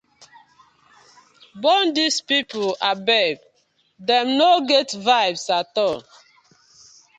Bone dis pipu abeg, dem no get vibes atol.